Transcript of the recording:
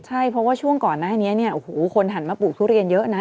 ใช่เพราะว่าช่วงก่อนหน้านี้เนี่ยโอ้โหคนหันมาปลูกทุเรียนเยอะนะ